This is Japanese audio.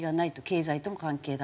経済との関係だと。